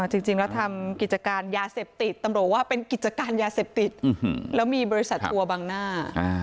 จริงแล้วทำกิจการยาเสพติดตำรวจว่าเป็นกิจการยาเสพติดแล้วมีบริษัททัวร์บังหน้า